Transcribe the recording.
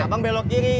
abang belok kiri